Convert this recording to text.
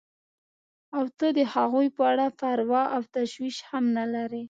او ته د هغوی په اړه پروا او تشویش هم نه لرې.